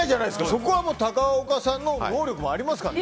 そこは高岡さんの能力もありますから。